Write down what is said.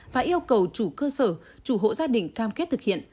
và yêu cầu chủ cơ sở chủ hộ gia đình cam kết thực hiện